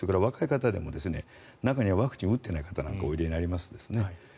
あとは若い方でも中にはワクチンを打っていない方がおいでになりますよね。